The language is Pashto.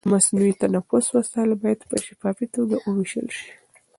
د مصنوعي تنفس وسایل باید په شفافي توګه وویشل شي.